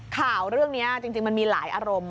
ข่าวเรื่องนี้จริงมันมีหลายอารมณ์